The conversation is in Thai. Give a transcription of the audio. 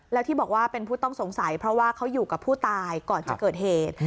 แล้วที่บอกว่าเป็นผู้ต้องสงสัยเพราะว่าเขาอยู่กับผู้ตายก่อนจะเกิดเหตุ